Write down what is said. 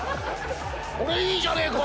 「これいいじゃねえか」